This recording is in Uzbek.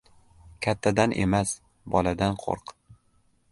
• Kattadan emas, boladan qo‘rq.